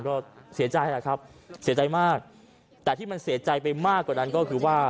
ก็เสียใจแหละครับเสียใจมากแต่ที่มันเสียใจไปมากกว่านั้นก็คือว่า